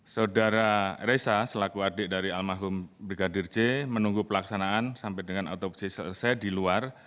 saudara reza selaku adik dari almarhum brigadir j menunggu pelaksanaan sampai dengan otopsi selesai di luar